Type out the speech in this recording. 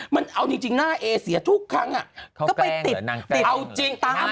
มันเอาจริงหน้าเอเสียทุกครั้งก็ไปติดเอาจริงตาม